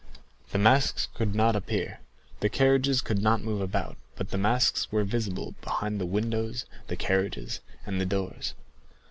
The masks could not appear; the carriages could not move about; but the masks were visible behind the windows, the carriages, and the doors.